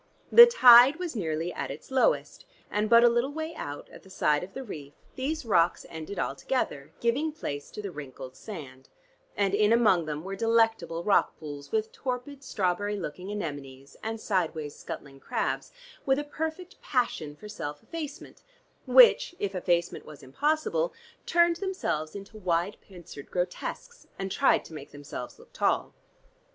The tide was nearly at its lowest and but a little way out, at the side of the reef, these rocks ended altogether, giving place to the wrinkled sand, and in among them were delectable rock pools with torpid strawberry looking anemones, and sideways scuttling crabs with a perfect passion for self effacement, which, if effacement was impossible, turned themselves into wide pincered grotesques, and tried to make themselves look tall.